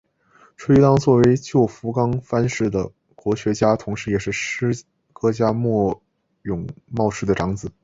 纯一郎作为旧福冈藩士的国学家同是也是诗歌家末永茂世的长子。